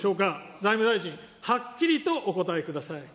財務大臣、はっきりとお答えください。